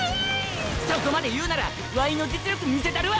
そこまで言うならワイの実力見せたるわ！